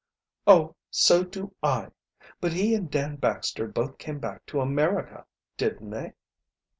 "Oh, so do I! but he and Dan Baxter both came back to America, didn't they?"